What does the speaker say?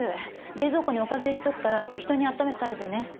冷蔵庫におかず入れとくから適当に温めて食べてね。